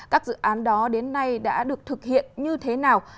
các dự án đó đến nay đã được thực hiện như thế nào